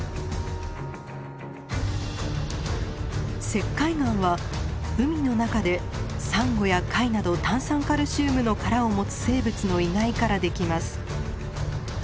石灰岩は海の中でサンゴや貝など炭酸カルシウムの殻を持つ生物の遺骸からできます。